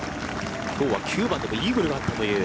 きょうは９番でイーグルがあったという。